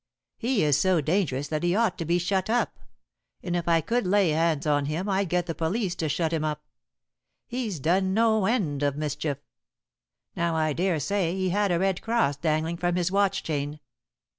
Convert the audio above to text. "He is so dangerous that he ought to be shut up. And if I could lay hands on him I'd get the police to shut him up. He's done no end of mischief. Now I daresay he had a red cross dangling from his watch chain."